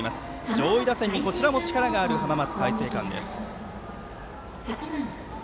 上位打線に、こちらも力のある浜松開誠館高校です。